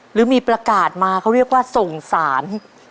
หรือมีประกาศมาเขาเรียกว่าส่งสาร